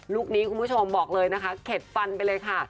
คนี้คุณผู้ชมบอกเลยนะคะเข็ดฟันไปเลยค่ะ